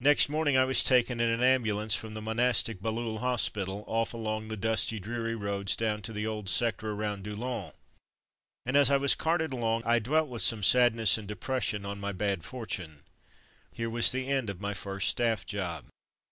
Next morning I was taken in an am bulance from the monastic Bailleul hospital — off along the dusty, dreary roads, down to the old sector around DouUens, and as I was carted along I dwelt with some sadness and depres sion on my bad fortune. Here was the end of my first staff job.